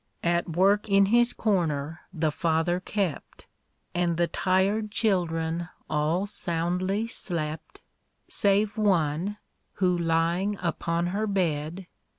At work in his corner the father kept, And the tired children all soundly slept, Save one, who lying upon her bed.